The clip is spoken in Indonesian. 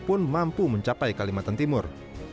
pun mampu mencapai kalimantan timur